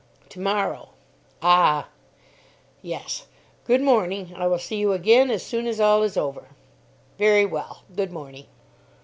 "To morrow." "Ah?" "Yes good morning. I will see you again as soon as all is over." "Very well good morning."